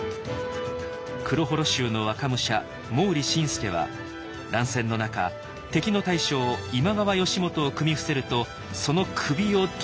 黒母衣衆の若武者毛利新介は乱戦の中敵の大将今川義元を組み伏せるとその首を切り落としたのです。